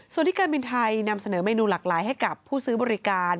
ส่วนที่การบินไทยนำเสนอเมนูหลากหลายให้กับผู้ซื้อบริการ